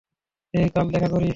হেই, কাল দেখা করি।